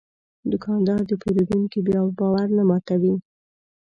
دوکاندار د پېرودونکي باور نه ماتوي.